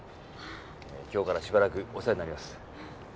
今日からしばらくお世話になります。